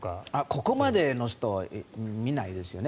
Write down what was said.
ここまでの人は見ないですよね。